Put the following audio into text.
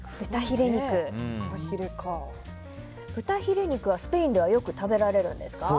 豚ヒレ肉はスペインではよく食べられるんですか？